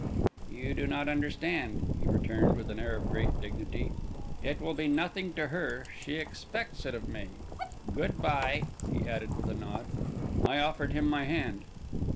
"You do not understand," he returned, with an air of great dignity. "It will be nothing to her; she expects it of me. Good bye!" he added, with a nod. I offered him my hand.